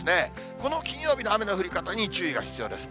この金曜日の雨の降り方に注意が必要です。